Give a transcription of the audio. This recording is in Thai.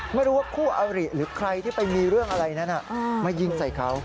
ไม่รู้ว่าคู่อริหรือใครที่ไปมีเรื่องอะไรนั้นมายิงใส่เขา